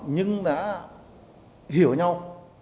nhưng đã hiểu nhau